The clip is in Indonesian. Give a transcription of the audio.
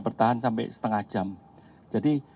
bertahan sampai setengah jam jadi